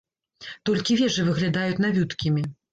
Толькі вежы выглядаюць навюткімі.